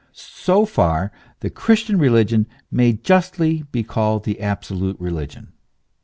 So far the Christian religion may justly be called the absolute religion.